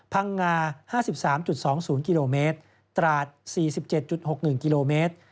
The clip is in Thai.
พังงา๕๓๒๐กิโลเมตรตราด๔๗๖๑กิโลเมตร